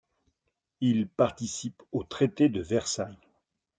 Il participe au traité de Versailles.